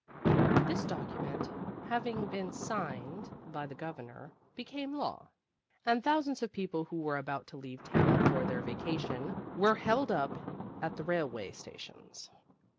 This document, having been signed by the Governor, became law, and thousands of people who were about to leave town for their vacation were held up at the railway stations.